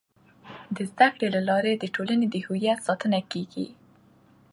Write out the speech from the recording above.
د زده کړې له لارې د ټولنې د هویت ساتنه کيږي.